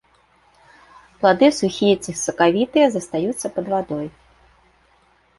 Плады сухія ці сакавітыя, застаюцца пад вадой.